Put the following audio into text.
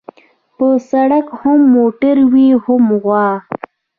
په سړک هم موټر وي هم غوا.